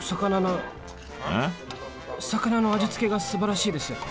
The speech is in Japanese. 魚の味付けがすばらしいです。